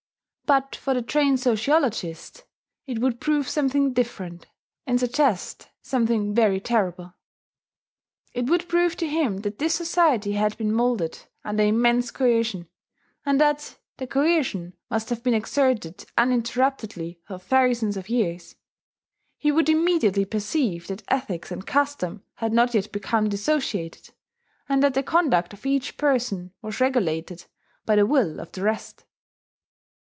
But for the trained sociologist it would prove something different, and suggest something very terrible. It would prove to him that this society had been moulded under immense coercion, and that the coercion must have been exerted uninterruptedly for thousands of years. He would immediately perceive that ethics and custom had not yet become dissociated, and that the conduct of each person was regulated by the will of the rest.